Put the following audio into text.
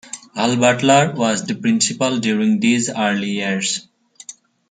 Hal Butler was the principal during these early years.